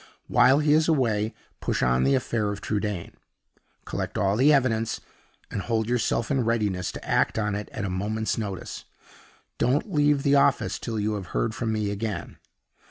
While he is away, push on the affair of Trudaine. Collect all the evidence, and hold yourself in readiness to act on it at a moment's notice. Don't leave the office till you have heard from me again.